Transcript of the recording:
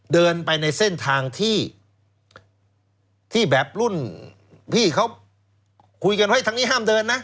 เดินไปในเส้นทางที่แบบรุ่นพี่เขาคุยกันเฮ้ยทางนี้ห้ามเดินนะ